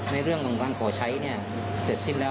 ในเรื่องของการขอใช้เนี่ยเสร็จสิ้นแล้ว